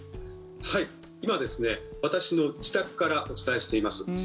今、私の自宅からお伝えしています。